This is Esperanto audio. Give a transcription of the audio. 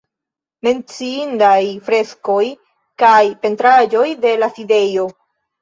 Menciindaj freskoj kaj pentraĵoj de la sidejo.